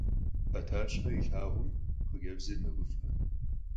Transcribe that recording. Ӏэтащхьэ илъагъумэ, хъыджэбзыр мэгуфӀэ.